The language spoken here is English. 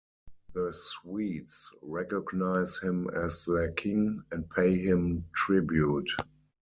The Swedes recognize him as their king, and pay him tribute.